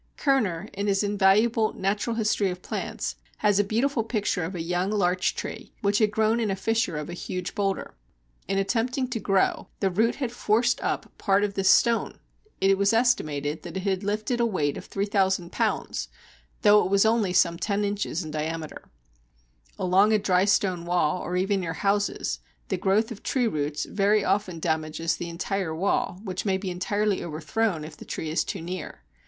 Kerner, in his invaluable Natural History of Plants, has a beautiful picture of a young larch tree which had grown in a fissure of a huge boulder. In attempting to grow, the root had forced up part of this stone. It was estimated that it had lifted a weight of 3000 lb., though it was only some ten inches in diameter. Along a dry stone wall, or even near houses, the growth of tree roots very often damages the entire wall, which may be entirely overthrown if the tree is too near.